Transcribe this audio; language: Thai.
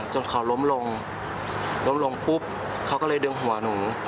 จนเขาล้มลงล้มลงปุ๊บเขาก็เลยดึงหัวหนู